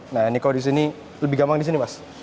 nah ini kalau di sini lebih gampang di sini mas